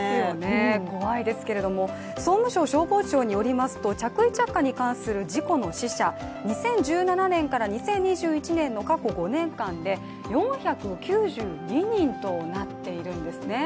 怖いですけれども総務省消防庁によりますと着衣着火に関する事故の死者、２０１７年から２０２１年の過去５年間で４９２人となっているんですね。